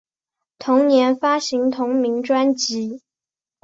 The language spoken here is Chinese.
同年发行同名专辑。